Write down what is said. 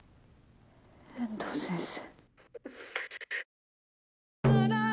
遠藤先生。